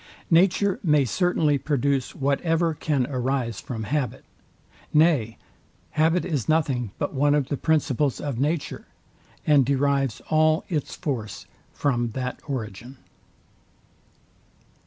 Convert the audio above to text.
Nature may certainly produce whatever can arise from habit: Nay, habit is nothing but one of the principles of nature, and derives all its force from that origin.